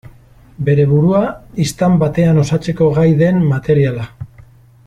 Bere burua istant batean osatzeko gai den materiala.